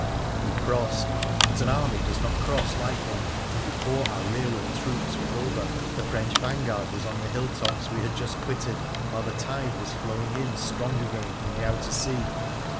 We crossed ; but an army does not cross like one, and before our rearward troops were over the French vanguard was on the hill tops we had just quitted, while the tide was flowing in strong again from the outer sea.